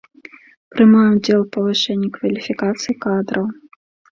Прымае удзел у павышэнні кваліфікацыі кадраў.